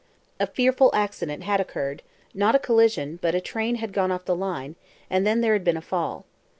A fearful accident had occurred; not a collision, but a train had gone off the line, and then there had been a fall.